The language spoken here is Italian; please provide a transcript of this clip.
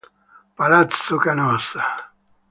Palazzo Canossa